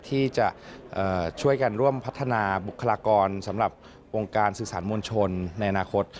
ที่จะช่วยกันร่วมพัฒนาบุคลากรสำหรับวงการสื่อสารมวลชนในอนาคต